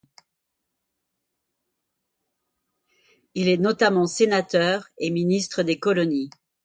Il est notamment sénateur, et ministre des colonies.